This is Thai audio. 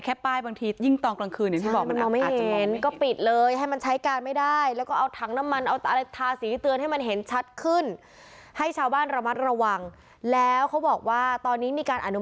แค่ป้ายตอนกลางคืนแบบเห็นไม่เห็น